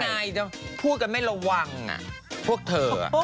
นายจะพูดกันไม่ระวังพวกเธอ